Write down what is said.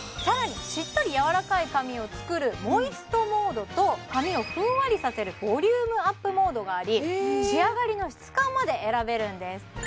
更にしっとりやわらかい髪を作るモイストモードと髪をふんわりさせるボリュームアップモードがあり仕上がりの質感まで選べるんですＲｅＦａ